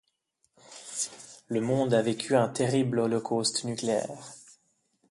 Le monde a vécu un terrible holocauste nucléaire.